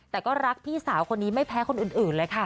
แต่ก็รักพี่สาวคนนี้ไม่แพ้คนอื่นเลยค่ะ